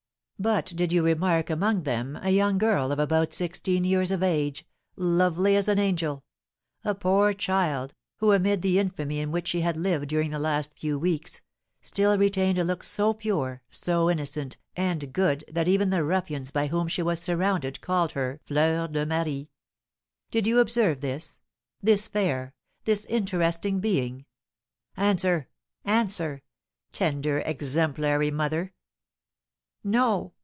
But did you remark among them a young girl of about sixteen years of age, lovely as an angel, a poor child, who, amid the infamy in which she had lived during the last few weeks, still retained a look so pure, so innocent, and good that even the ruffians by whom she was surrounded called her Fleur de Marie? Did you observe this, this fair, this interesting being? Answer, answer, tender, exemplary mother!" "No!"